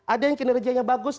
ada yang kinerjanya bagus